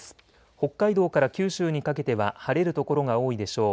北海道から九州にかけては晴れる所が多いでしょう。